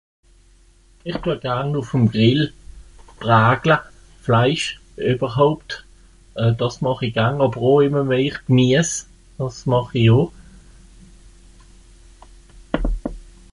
Ìch düe garn ùff'm Grill (...) Fleisch, ìbberhaupt, euh... dàs màch i garn (...) Gemies, dàs màch i oo.